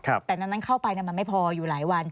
แต่ดังนั้นเข้าไปมันไม่พออยู่หลายวัน